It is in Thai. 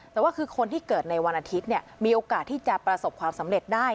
แต่ว่าคือคนที่เกิดในวันอาทิตย์มีโอกาสที่จะประสบความสำเร็จได้